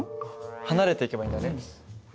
離れていけばいいんだね。